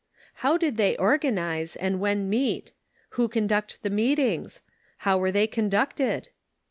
How did they organize, and when meet ? Who conduct the meetings ? How were they conducted